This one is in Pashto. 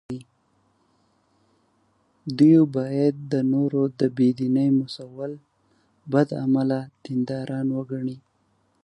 دوی باید د نورو د بې دینۍ مسوول بد عمله دینداران وګڼي.